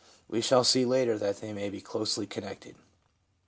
We shall see later that they may be closely connected.